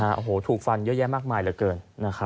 โอ้โหถูกฟันเยอะแยะมากมายเหลือเกิน